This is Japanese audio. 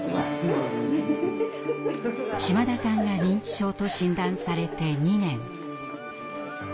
島田さんが認知症と診断されて２年。